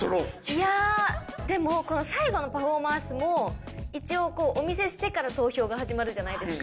いやあでもこの最後のパフォーマンスも一応お見せしてから投票が始まるじゃないですか。